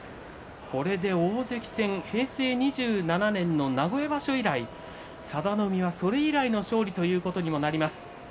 これで大関戦平成２７年の名古屋場所以来佐田の海は、それ以来の勝利ということになります。